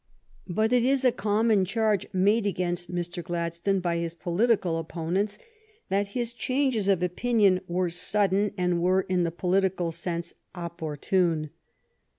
But it is a common charge made against Mr. Gladstone by his political oppo nents that his changes of opinion were sudden and were in the political sense opportune.